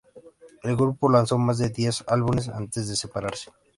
El grupo lanzó más de diez álbumes antes de separarse.